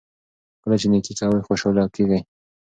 کله چې نیکي کوئ خوشحاله کیږئ.